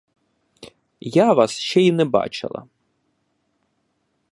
Я вас ще й не бачила.